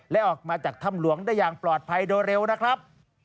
และออกมาจากถ้ำหลวงได้อย่างปลอดภัยโดยเร็วนะครับ